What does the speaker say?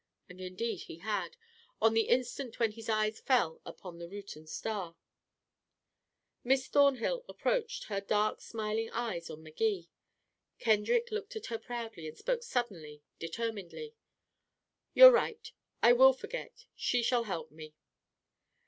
And indeed he had, on the instant when his eyes fell upon the Reuton Star. Miss Thornhill approached, her dark smiling eyes on Magee. Kendrick looked at her proudly, and spoke suddenly, determinedly: "You're right, I will forget. She shall help me."